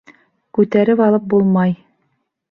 Күтәреп алып булмай.